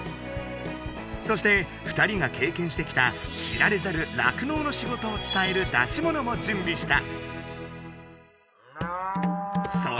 そして２人がけいけんしてきた「知られざる酪農の仕事」を伝える出しものもじゅんびした！